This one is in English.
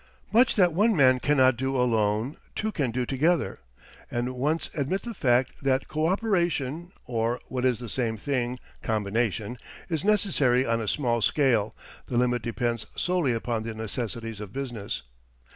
Much that one man cannot do alone two can do together, and once admit the fact that coöperation, or, what is the same thing, combination, is necessary on a small scale, the limit depends solely upon the necessities of business.